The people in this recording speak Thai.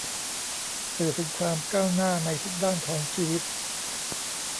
สื่อถึงความก้าวหน้าในทุกด้านของชีวิต